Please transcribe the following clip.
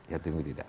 satu minggu tidak